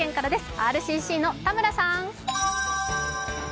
ＲＣＣの田村さん。